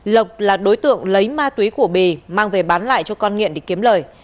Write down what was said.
lộc là đối tượng lấy ma túy của bì mang về bán lại cho con nghiện để kiếm lời